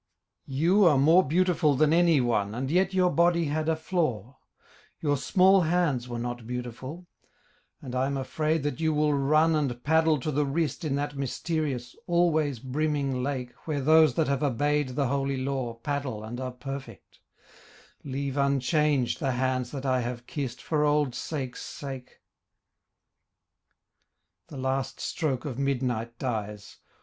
You are more beautiful than any one And yet your body had a flaw: Your small hands were not beautiful, And I am afraid that you will run And paddle to the wrist In that mysterious, always brimming lake Where those that have obeyed the holy law Paddle and are perfect; leave unchanged The hands that I have kissed For old sakes' sake. The last stroke of midnight dies.